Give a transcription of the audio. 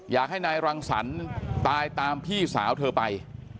อยากให้นายรังสรรค์ตายตามพี่สาวเธอไป